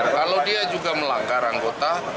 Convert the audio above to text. kalau dia juga melanggar anggota